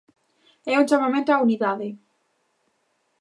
É un chamamento á unidade.